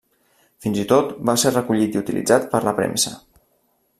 Fins i tot va ser recollit i utilitzat per la premsa.